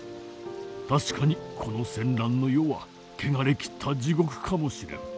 確かにこの戦乱の世はけがれきった地獄かもしれん。